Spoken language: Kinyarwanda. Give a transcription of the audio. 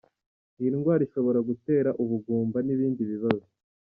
Iyi ndwara ishobora gutera ubugumba n’ibindi bibazo.